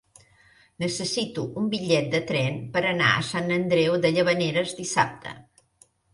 Necessito un bitllet de tren per anar a Sant Andreu de Llavaneres dissabte.